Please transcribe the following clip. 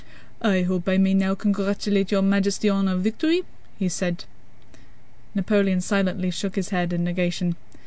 "I hope I may now congratulate Your Majesty on a victory?" said he. Napoleon silently shook his head in negation.